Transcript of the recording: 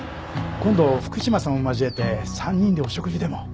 今度福島さんも交えて３人でお食事でも。